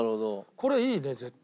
これいいね絶対。